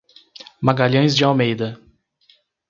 Magalhães de Almeida